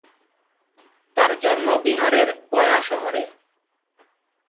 তাঁর জন্ম বিহারের গয়া শহরে।